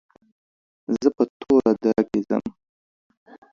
زه په توره دره کې ځم.